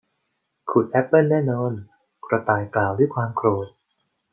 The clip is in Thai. ขุดแอปเปิลแน่นอน กระต่ายกล่าวด้วยความโกรธ